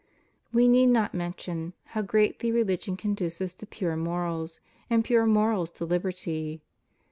We need not mention how greatly religion conduces to pure morals, and pure morals to liberty.